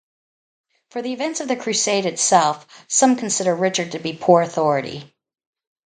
For the events of the crusade itself, some consider Richard to be poor authority.